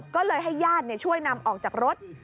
ก็เลยให้ญาติช่วยนำออกจากรถ